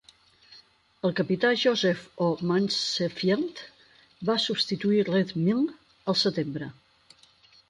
El Capità Joseph O. Masefield va substituir Redmill al setembre.